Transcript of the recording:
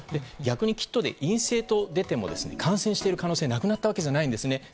逆にキットで陰性と出てもですね、感染してる可能性なくなったわけじゃないんですね。